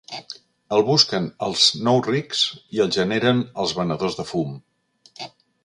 El busquen els nous rics i el generen els venedors de fum.